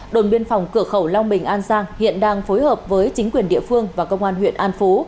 đồn biên phòng cửa khẩu long bình an giang hiện đang phối hợp với chính quyền địa phương và công an huyện an phú